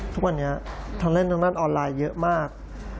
ทุกวันนี้ทั้งเล่นทางด้านออนไลน์เยอะมาก